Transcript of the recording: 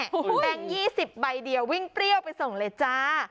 แบงค์๒๐ใบเดียววิ่งเปรี้ยวไปส่งเลยจ้า